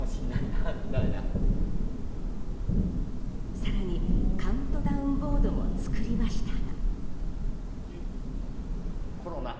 更にカウントダウンボードも作りましたが。